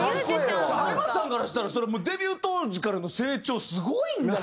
上松さんからしたらデビュー当時からの成長すごいんじゃないですか？